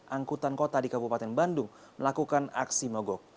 angkutan kota di kabupaten bandung melakukan aksi mogok